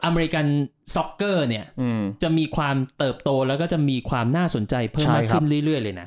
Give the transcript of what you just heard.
อเมริกันซ็อกเกอร์เนี่ยจะมีความเติบโตแล้วก็จะมีความน่าสนใจเพิ่มมากขึ้นเรื่อยเลยนะ